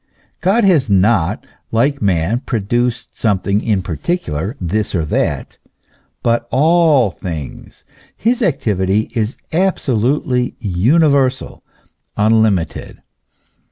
God has not, like man, produced something in parti cular, this or that, but all things ; his activity is absolutely universal, unlimited.